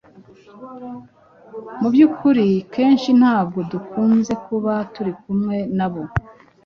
mu by’ukuri kenshi ntabwo dukunze kuba turi kumwe nabo,